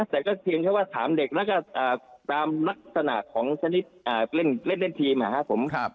แต่ก็เชื่อว่าถามเด็กตามลักษณะของชนิดเล่นเทียมครับครับผม